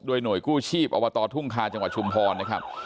โดยหน่วยกู้ชีพอบตทุ่งคาจังหวัดชุมพรนะครับ